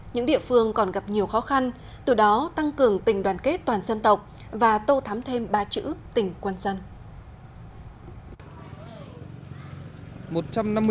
những địa phương còn gặp nhiều khó khăn từ đó tăng cường tình đoàn kết toàn dân tộc và tô thắm thêm ba chữ tỉnh quân dân